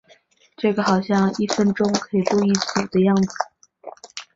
境内最大的高原为伊朗高原。